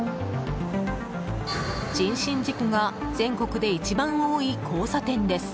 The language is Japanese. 人身事故が全国で一番多い交差点です。